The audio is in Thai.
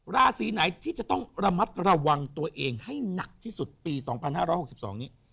ราศีไหนที่จะต้องระมัดระวังตัวเองให้หนักที่สุดปี๒๕๖๒นี้